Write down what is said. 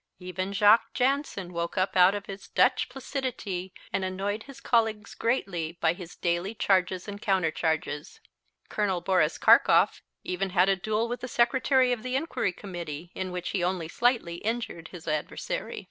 Even Jacques Jansen woke up out of his Dutch placidity and annoyed his colleagues greatly by his daily charges and countercharges. Col. Boris Karkof even had a duel with the Secretary of the Inquiry Committee in which he only slightly injured his adversary.